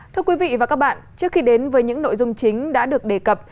thưa quý vị và các bạn trước khi đến với những nội dung chính đã được đề cập